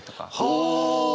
はあ！